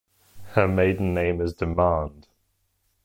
Her maiden name is Demand.